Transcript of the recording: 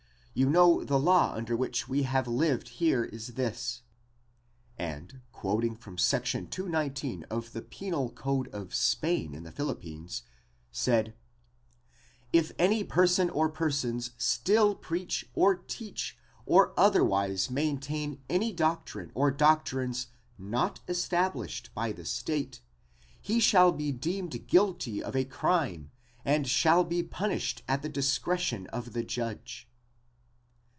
You know the law under which we have lived here is this," and quoting from section 219 of the Penal Code of Spain in the Philippines, said: "If any person or persons shall preach or teach or otherwise maintain any doctrine or doctrines not established by the state, he shall be deemed guilty of a crime and shall be punished at the discretion of the judge."